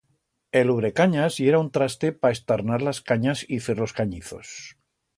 El ubrecanyas yera un traste pa estarnar las canyas y fer los canyizos.